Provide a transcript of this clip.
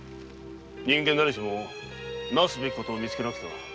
人間だれしもなすべきことをみつけなくては。